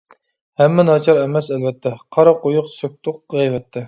ھەممە ناچار ئەمەس ئەلۋەتتە، قارا قويۇق سۆكتۇق غەيۋەتتە.